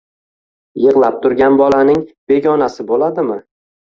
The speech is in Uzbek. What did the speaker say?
Yig‘lab turgan bolaning begonasi bo‘ladimi?